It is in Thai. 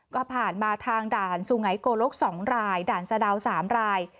ก็ผ่านมาทางด่านสุไงโกลก๒รายด่านสะดาว๓ราย